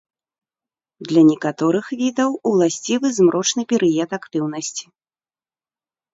Для некаторых відаў уласцівы змрочны перыяд актыўнасці.